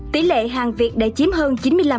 tỷ lệ hàng việt để chiếm hơn chín mươi năm